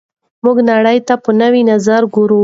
موږ نړۍ ته په نوي نظر ګورو.